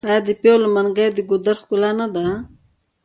آیا د پیغلو منګي د ګودر ښکلا نه ده؟